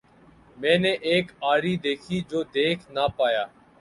میں نے ایک آری دیکھی جو دیکھ نہ پایا۔